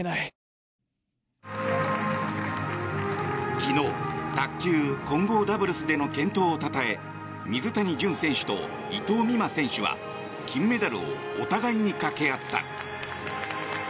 昨日、卓球・混合ダブルスでの健闘を称え水谷隼選手と伊藤美誠選手は金メダルをお互いにかけ合った。